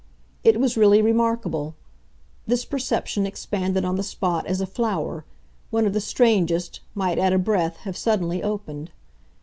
It was really remarkable: this perception expanded, on the spot, as a flower, one of the strangest, might, at a breath, have suddenly opened.